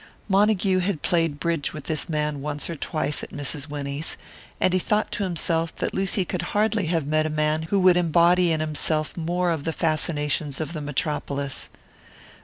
Montague had played bridge with this man once or twice at Mrs. Winnie's, and he thought to himself that Lucy could hardly have met a man who would embody in himself more of the fascinations of the Metropolis.